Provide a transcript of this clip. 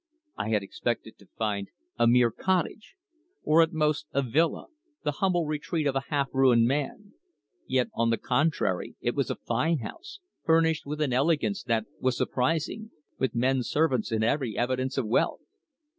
I had expected to find a mere cottage, or at most a villa, the humble retreat of a half ruined man; yet on the contrary it was a fine house, furnished with an elegance that was surprising, with men servants and every evidence of wealth.